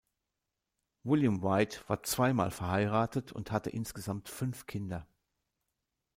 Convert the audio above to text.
William Whyte war zweimal verheiratet und hatte insgesamt fünf Kinder.